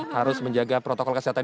harus menjaga protokol kesehatan